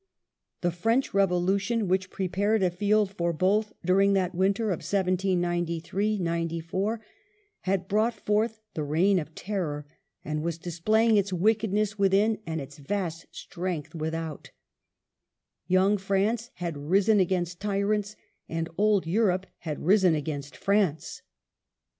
The French Revolution, which prepared a field for both during that winter of 1793 94, had brought forth the Eeign of Terror, and was displaying its wickedness within and its vast strength without Young France had "risen against tyrants," and old Europe had risen against France.